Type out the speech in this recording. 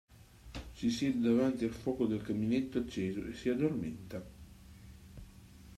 Si siede davanti al fuoco del caminetto acceso e si addormenta.